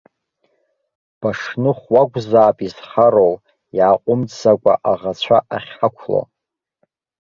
Башныхә уакәзаап изхароу, иааҟәымҵӡакәа аӷацәа ахьҳақәло!